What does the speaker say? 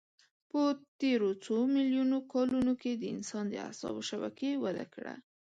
په تېرو څو میلیونو کلونو کې د انسان د اعصابو شبکې وده کړه.